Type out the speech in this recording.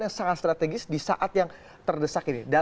yang sangat strategis di saat yang terdesak ini